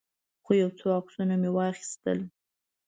یو څو عکسونه مې واخیستل.